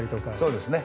そうですね。